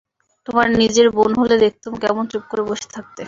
তোমার নিজের বোন হলে দেখতুম কেমন চুপ করে বসে থাকতে!